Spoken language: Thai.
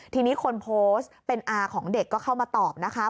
ทีนี้คนโพสต์เป็นอาของเด็กก็เข้ามาตอบนะคะ